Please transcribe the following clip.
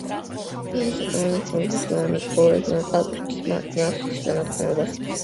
შედის ეკონომიკურ-სტატისტიკურ მიკრორეგიონ პატუს-დი-მინასის შემადგენლობაში.